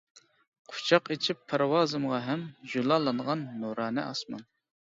قۇچاق ئىچىپ پەرۋازىمغا ھەم، جۇلالانغان نۇرانە ئاسمان.